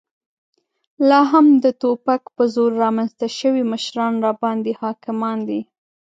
لا هم د توپک په زور رامنځته شوي مشران راباندې حاکمان دي.